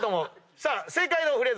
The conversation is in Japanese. さあ正解のフレーズ